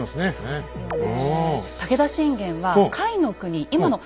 そうですよね。